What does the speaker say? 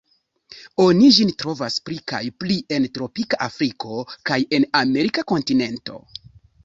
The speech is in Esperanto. Oni ĝin trovas pli kaj pli en tropika Afriko kaj en la Amerika kontinento.